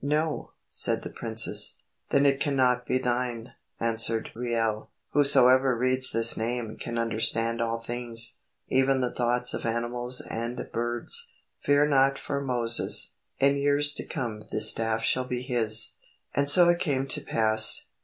"No," said the princess. "Then it cannot be thine," answered Reuel. "Whosoever reads this name can understand all things, even the thoughts of animals and birds. Fear not for Moses. In years to come this staff shall be his." And so it came to pass.